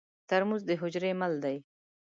ترموز د حجرې مل دی.